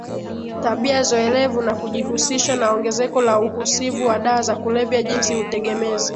tabia zoelevu na kujihusisha na ongezeko la uhusivu wa dawa za kulevya jinsi utegemezi